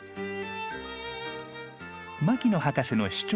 牧野博士の主張